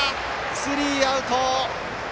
スリーアウト！